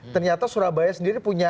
ternyata surabaya sendiri punya